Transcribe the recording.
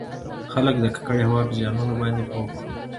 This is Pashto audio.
خلــک د ککـړې هـوا پـه زيـانونو بانـدې پـوه کـړو٫